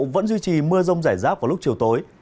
vẫn duy trì mưa rông rải rác vào lúc chiều tối